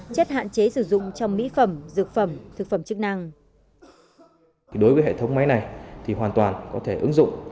chất cấm chất hạn chế sử dụng